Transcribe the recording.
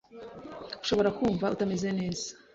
ushobora kumva utameze neza